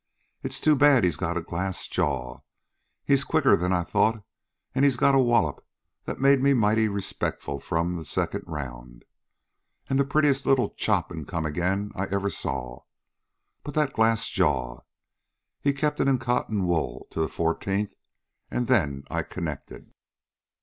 It's too bad he's got a glass jaw. He's quicker'n I thought, an' he's got a wallop that made me mighty respectful from the second round an' the prettiest little chop an' come again I ever saw. But that glass jaw! He kept it in cotton wool till the fourteenth an' then I connected.